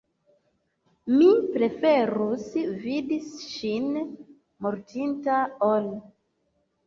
Mi preferus vidi ŝin mortinta ol.